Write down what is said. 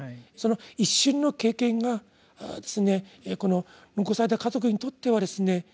その一瞬の経験がこの残された家族にとってはですね